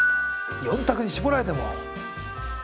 ４択に絞られても。